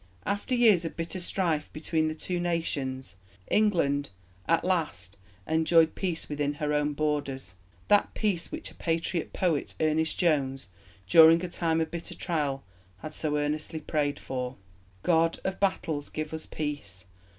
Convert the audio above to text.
After years of bitter strife between the Two Nations, England a last enjoyed peace within her own borders that peace which a patriot poet, Ernest Jones, during a time of bitter trial had so earnestly prayed for: God of battles, give us peace!